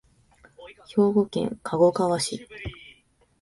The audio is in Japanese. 兵庫県加古川市